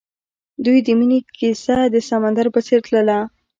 د دوی د مینې کیسه د سمندر په څېر تلله.